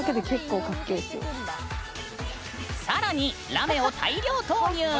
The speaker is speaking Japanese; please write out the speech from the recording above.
さらにラメを大量投入！